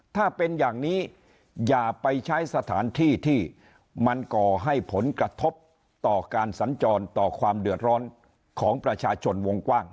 ถ้าเป็นอย่างนี้อย่าไปใช้สถานที่ที่มันก่อให้ผลกระทบต่อการสัญจรต่อความเดือดร้อนของประชาชนวงกว้าง